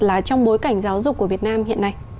là trong bối cảnh giáo dục của việt nam hiện nay